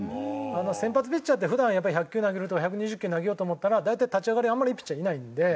先発ピッチャーって普段１００球投げるとか１２０球投げようと思ったら大体立ち上がりあんまりいいピッチャーいないので。